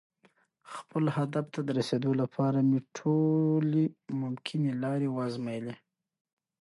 خپل هدف ته د رسېدو لپاره مې ټولې ممکنې لارې وازمویلې.